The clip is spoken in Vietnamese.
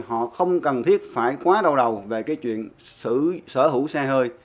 họ không cần thiết phải quá đau đầu về chuyện sở hữu xe hơi